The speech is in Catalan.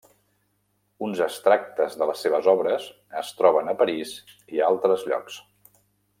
Uns extractes de les seves obres es troben a Paris i a altres llocs.